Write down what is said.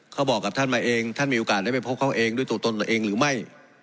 เขาบอกกับท่านมาเองท่านมีโอกาสได้ไปพบเขาเองด้วยตัวตนเราเองหรือไม่